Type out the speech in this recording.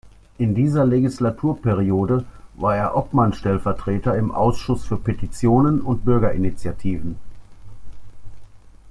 In dieser Legislaturperiode war er Obmannstellvertreter im Ausschuss für Petitionen und Bürgerinitiativen.